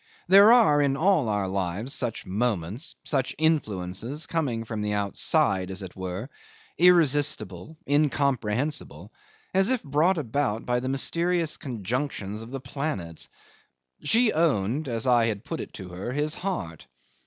There are in all our lives such moments, such influences, coming from the outside, as it were, irresistible, incomprehensible as if brought about by the mysterious conjunctions of the planets. She owned, as I had put it to her, his heart.